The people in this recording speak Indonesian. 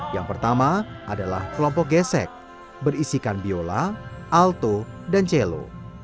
yang pertama adalah kelompok gesek berisikan biola alto dan celo